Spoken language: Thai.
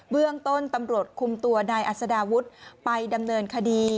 เรื่องต้นตำรวจคุมตัวนายอัศดาวุฒิไปดำเนินคดี